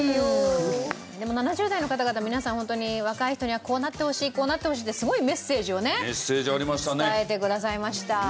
でも７０代の方々皆さんホントに若い人にはこうなってほしいこうなってほしいってすごいメッセージをね伝えてくださいました。